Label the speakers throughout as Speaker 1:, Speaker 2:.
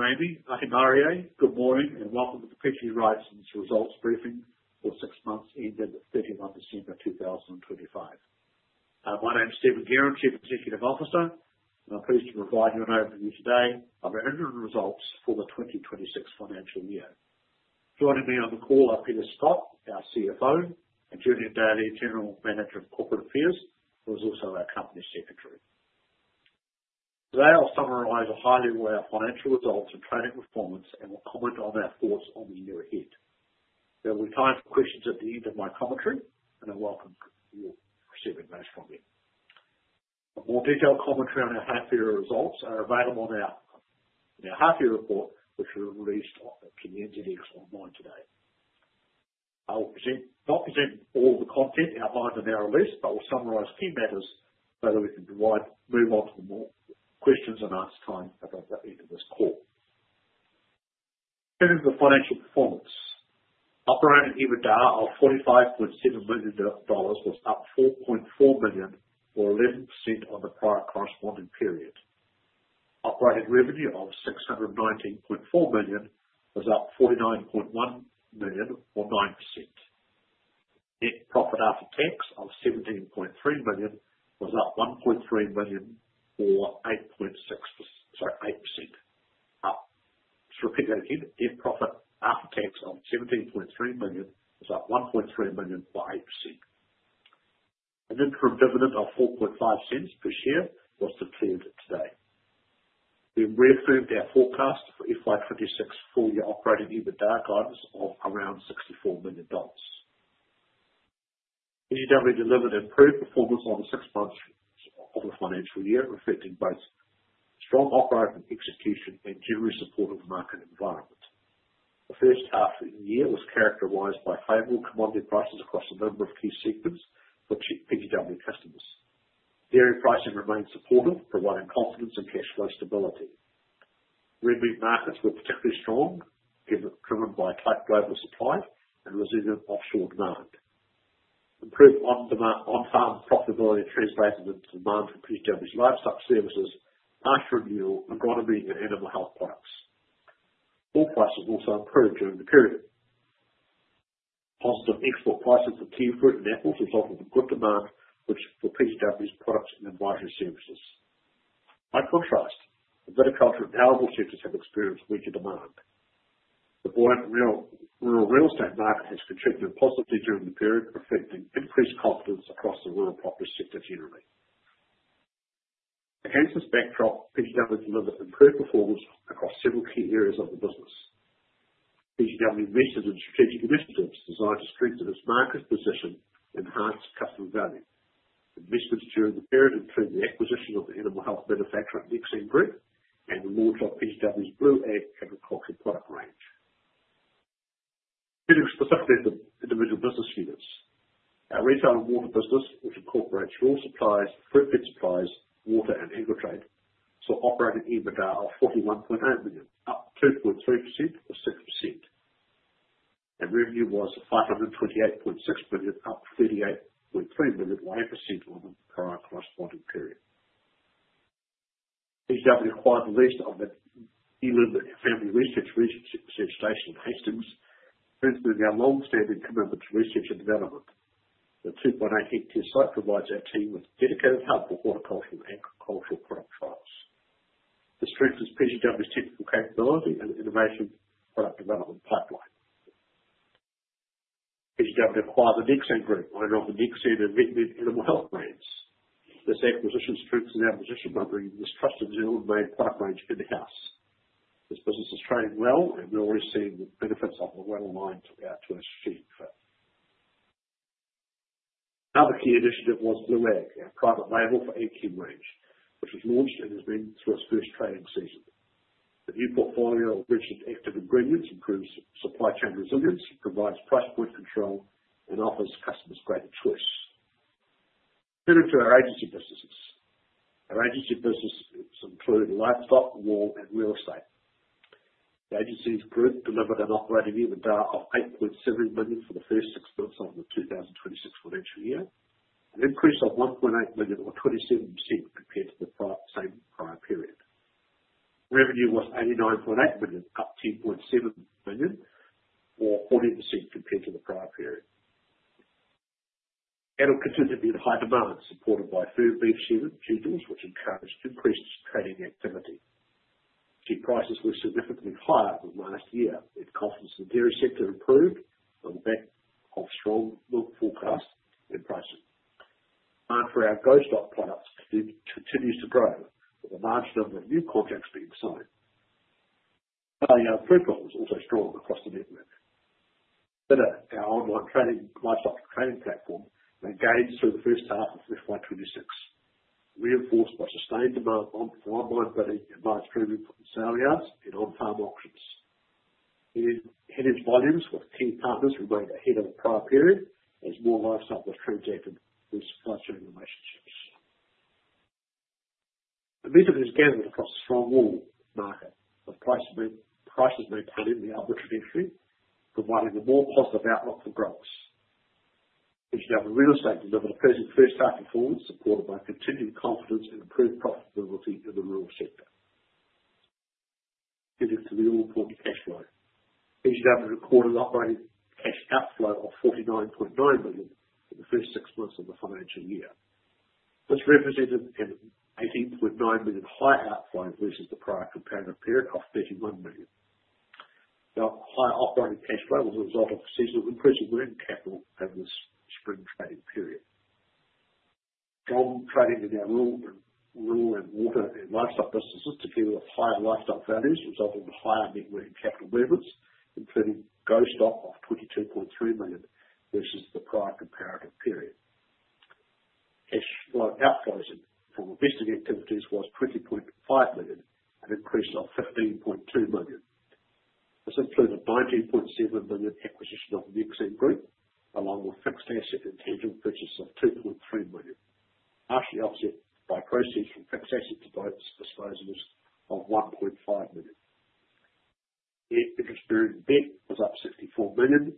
Speaker 1: Thank you, Amy. Ata mārie, good morning, and welcome to the PGG Wrightson's results briefing for six months ended 31st December 2025. My name is Stephen Guerin, Chief Executive Officer, and I'm pleased to provide you an overview today of our interim results for the 2026 financial year. Joining me on the call are Peter Scott, our CFO, and Julian Daly, General Manager of Corporate Affairs, who is also our Company Secretary. Today I'll summarize a high level of our financial results and trading performance, and will comment on our thoughts on the year ahead. There will be time for questions at the end of my commentary, and I welcome receiving those from you. A more detailed commentary on our half year results are available in our half year report, which we released on the NZX online today. I will not present all the content outlined in our release, but will summarize key matters so that we can move on to the more questions and answer time at the end of this call. Turning to the financial performance. Operating EBITDA of NZD 45.7 million was up NZD 4.4 million, or 11% on the prior corresponding period. Operating revenue of 619.4 million was up 49.1 million, or 9%. Net profit after tax of 17.3 million was up 1.3 million, or, sorry, 8% up. Just repeat that again, net profit after tax of 17.3 million was up 1.3 million by 8%. An interim dividend of 0.045 per share was declared today. We've reaffirmed our forecast for FY 2026 full year Operating EBITDA guidance of around $64 million. PW delivered improved performance on the six months of the financial year, reflecting both strong operating execution and generally supportive market environment. The first half of the year was characterized by favorable commodity prices across a number of key sectors for PW customers. Dairy pricing remained supportive, providing confidence and cash flow stability. Red meat markets were particularly strong, driven by tight global supply and resilient offshore demand. Improved on-demand, on-farm profitability translated into demand for PW's livestock services, pasture renewal, agronomy, and animal health products. Wool prices also improved during the period. Positive export prices for kiwifruit and apples resulted in good demand, which for PW's products and advisory services. By contrast, the viticulture and arable sectors have experienced weaker demand. The broad real- rural real estate market has contributed positively during the period, reflecting increased confidence across the rural property sector generally. Against this backdrop, PGW delivered improved performance across several key areas of the business. PGW invested in strategic initiatives designed to strengthen its market position and enhance customer value. Investments during the period include the acquisition of the animal health manufacturer, Nexan Group, and the launch of PGW's Blue Ag agricultural product range. Turning specifically to individual business units. Our retail and water business, which incorporates rural suppliers, fruit and veg suppliers, water, and Agritrade, saw Operating EBITDA of 41.8 million, up 2.3% or 6%. Revenue was 528.6 billion, up 38.3 million, or 8% on the prior corresponding period. PW acquired the lease of the Geelen Family Research Station in Hastings, proving our long-standing commitment to research and development. The 2.8 hectare site provides our team with a dedicated hub for horticultural and agricultural product trials. This strengthens PW's technical capability and innovation product development pipeline. PW acquired the Nexan Group, owner of the Nexan and Rit-tard animal health brands. This acquisition strengthens our position by bringing this trusted New Zealand-made product range into the house. This business is trading well, and we're already seeing the benefits of a well-aligned to our sheep farm. Another key initiative was Blue Ag, our private label for AgChem range, which was launched and has been through its first trading season. The new portfolio of registered active ingredients improves supply chain resilience, provides price point control, and offers customers greater choice. Turning to our agency businesses. Our agency businesses include livestock, wool, and real estate. The agencies group delivered an Operating EBITDA of 8.7 million for the first six months of the 2026 financial year, an increase of 1.8 million, or 27% compared to the prior, same prior period. Revenue was 89.8 million, up 2.7 million or 14% compared to the prior period. Animal continued to be in high demand, supported by firm beef schedules, which encouraged increased trading activity. Sheep prices were significantly higher than last year, as confidence in the dairy sector improved on the back of strong milk forecasts and pricing. Demand for our GO-STOCK platform continues to grow, with a large number of new contracts being signed. Our sales profile was also strong across the network. Better our online trading, livestock trading platform engaged through the first half of FY 2026, reinforced by sustained demand for online trading and live streaming from sale yards and on-farm auctions. Headage volumes with key partners remained ahead of the prior period, as more livestock was transacted through supply chain relationships. The business gathered across a strong wool market, with prices being paid in the upper trajectory, providing a more positive outlook for growers. PGW Real Estate delivered a pleasant first half performance, supported by continued confidence and improved profitability in the rural sector. Moving to the all-important cash flow. PGW recorded operating cash outflow of 49.9 million for the first six months of the financial year. This represented an 18.9 million higher outflow versus the prior comparative period of 31 million. The higher operating cash flow was a result of a seasonal increase in working capital over this spring trading period. Gold trading in our rural, rural and water and livestock businesses, together with higher livestock values, resulted in higher net working capital movements, including gross stock of 22.3 million versus the prior comparative period. Cash flow outgoings from investing activities was 20.5 million, an increase of 15.2 million. This included 19.7 million acquisition of the Nexan Group, along with fixed asset and tangible purchase of 2.3 million, partially offset by proceeds from fixed asset disposals of 1.5 million. Net interest-bearing debt was up 64 million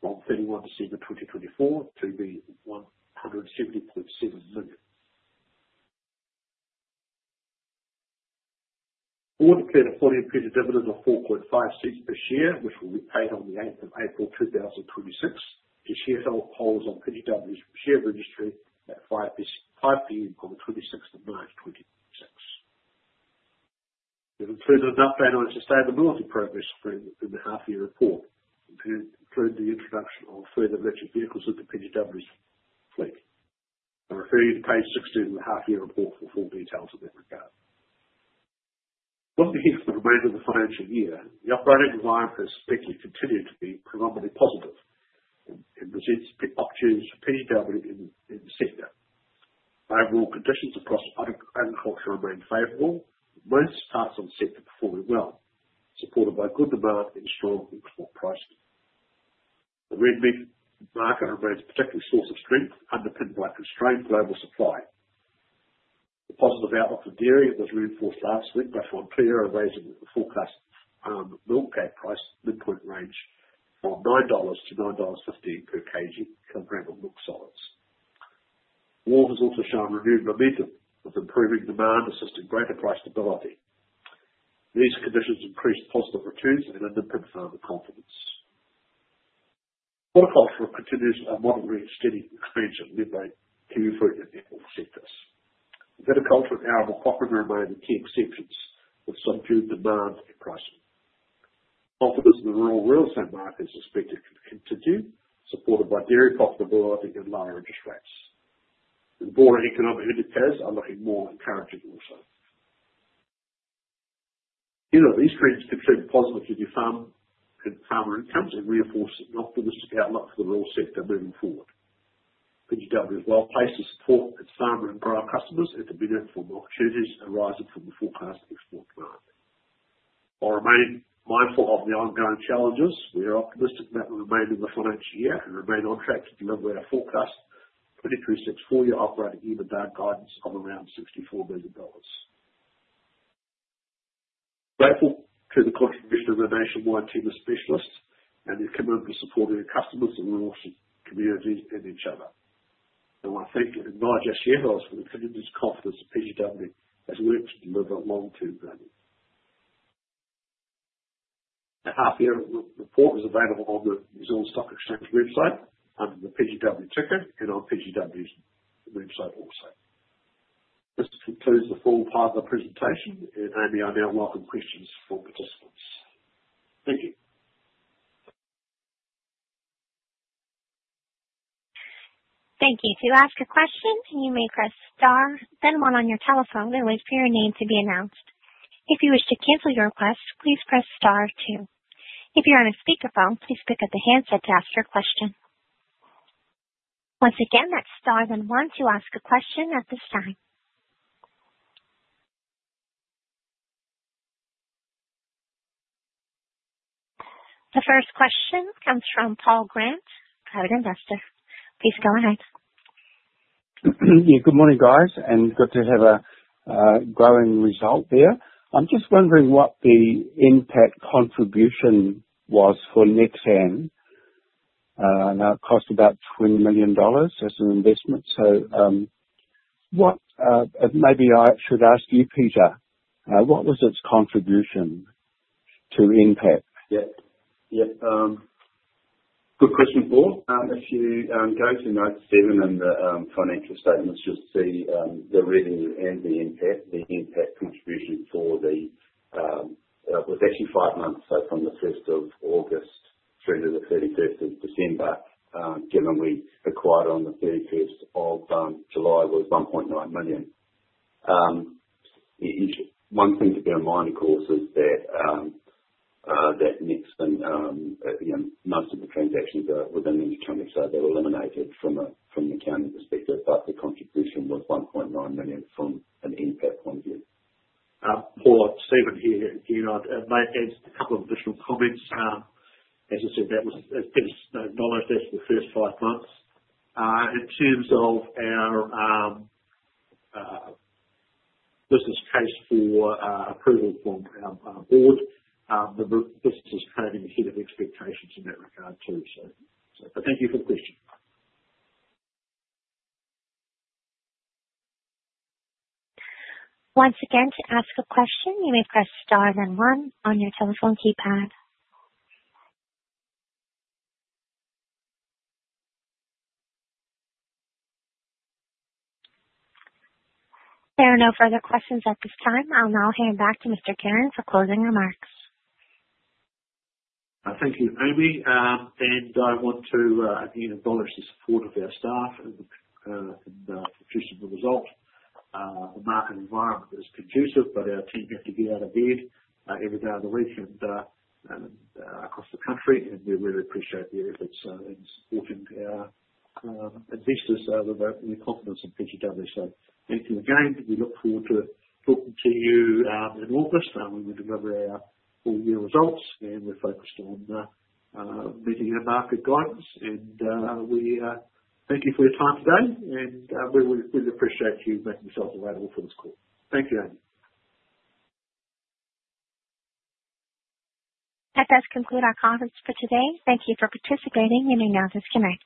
Speaker 1: from 31 December 2024 to be 170.7 million. The board declared a fully increased dividend of 0.045 per share, which will be paid on the 8th of April 2026 to holders on PGW's share registry at 5:00PM. on the 26th of March 2026. We've included an update on our sustainability progress in the half year report, including the introduction of further electric vehicles into PGW's fleet. I refer you to Page 16 of the half year report for full details in that regard. Looking into the remainder of the financial year, the operating environment has certainly continued to be predominantly positive and presents big opportunities for PGW in the sector. Overall conditions across agriculture remain favorable, with most parts of the sector performing well, supported by good demand and strong input pricing. The red meat market remains a particular source of strength, underpinned by constrained global supply. The positive outlook for dairy was reinforced last week by Fonterra raising the forecast milk pay price midpoint range from 9-9.50 dollars per kg comparable milk solids. Wool has also shown renewed momentum, with improving demand assisting greater price stability. These conditions increase positive returns and underpin farmer confidence. Horticulture continues a moderate and steady expansion, led by kiwi fruit and apple sectors. Viticulture and animal farming remain the key exceptions, with subdued demand and pricing. Optimism in the rural real estate market is expected to continue, supported by dairy profitability and lower interest rates. The broader economic indicators are looking more encouraging also. You know, these trends continue positive in farmer incomes and reinforce an optimistic outlook for the rural sector moving forward. PGW is well placed to support its farmer and grower customers and to benefit from opportunities arising from the forecast export demand. While remaining mindful of the ongoing challenges, we are optimistic about the remainder of the financial year and remain on track to deliver our forecast 2364 year Operating EBITDA guidance of around 64 million dollars. Grateful to the contribution of our nationwide team of specialists and their commitment to supporting our customers and rural communities and each other. I thank and acknowledge our shareholders for the continued confidence PGW has worked to deliver long-term value. The half year report is available on the New Zealand Stock Exchange website under the PGW ticker and on PGW's website also. This concludes the formal part of the presentation, and Amy, I now welcome questions from participants. Thank you.
Speaker 2: Thank you. To ask a question, you may press star then one on your telephone and wait for your name to be announced. If you wish to cancel your request, please press star two. If you're on a speakerphone, please pick up the handset to ask your question. Once again, that's star then one to ask a question at this time. The first question comes from Paul Glass, private investor. Please go ahead.
Speaker 3: Yeah, good morning, guys, and good to have a growing result there. I'm just wondering what the impact contribution was for Nexan. I know it cost about 20 million dollars as an investment. What, maybe I should ask you, Peter, what was its contribution to impact?
Speaker 4: Yep, good question, Paul. If you go to note seven in the financial statements, you'll see the revenue and the impact. The impact contribution for the was actually five months, so from the 1st of August through to the 31st of December, given we acquired on the 31st of July, was NZD 1.9 million. One thing to bear in mind, of course, is that Nexan, you know, most of the transactions are within New Zealand, so they're eliminated from a, from an accounting perspective, but the contribution was 1.9 million from an impact point of view.
Speaker 1: Paul, Stephen here. You know, I'd may add a couple of additional comments. As you said, that was, as Peter's acknowledged, that's for the first five months. In terms of our business case for approval from our board, the business is trading ahead of expectations in that regard, too, so. Thank you for the question.
Speaker 2: Once again, to ask a question, you may press star then one on your telephone keypad. There are no further questions at this time. I'll now hand back to Mr. Guerin for closing remarks.
Speaker 1: Thank you, Amy. I want to again, acknowledge the support of our staff and and producing the result. The market environment is conducive, but our team have to get out of bed every day of the week and across the country, and we really appreciate the efforts in supporting our investors with the confidence in PGW. Thank you again. We look forward to talking to you in August when we deliver our full year results, and we're focused on meeting our market guidance. We thank you for your time today, and we we appreciate you making yourselves available for this call. Thank you, Amy.
Speaker 2: That does conclude our conference for today. Thank you for participating in AnalystConnect.